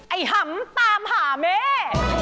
หำตามหาแม่